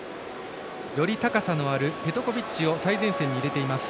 より高さのあるペトコビッチを最前線に入れています。